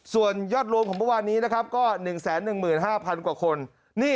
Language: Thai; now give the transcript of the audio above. ส่วนยอดรวมของเมื่อวานนี้นะครับก็๑๑๕๐๐กว่าคน